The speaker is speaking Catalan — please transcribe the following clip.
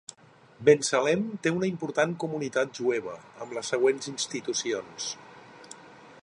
Bensalem té una important comunitat jueva, amb les següents institucions.